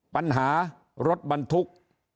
ปัญหารถบันทุกข์